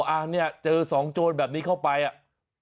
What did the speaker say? อันนี้เจอสองโจรแบบนี้เข้าไปอ่ะ